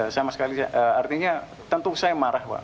sama sekali artinya tentu saya marah pak